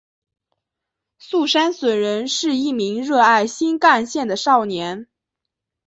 速杉隼人是一名热爱新干线的少年。